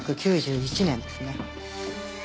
１９９１年ですね。